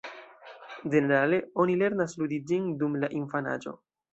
Ĝenerale, oni lernas ludi ĝin dum la infanaĝo.